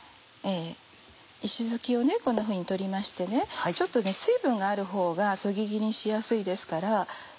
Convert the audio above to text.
石づきをこんなふうに取りましてちょっと水分があるほうがそぎ切りにしやすいですから。